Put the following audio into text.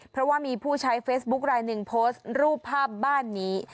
เพราะว่ามีผู้ใช้เฟซบุ๊คลายหนึ่งโพสต์รูปภาพบ้านนี้